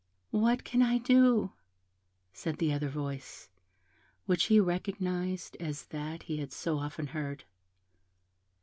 "What can I do?" said the other voice, which he recognised as that he had so often heard.